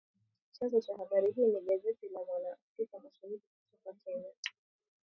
Chanzo cha habari hii ni gazeti la Mwana Africa Mashariki, toka Kenya